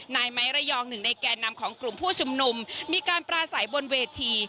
นายไม้ระยองหนึ่งในแก่นำของกลุ่มผู้ชุมนุมมีการปราศัยบนเวที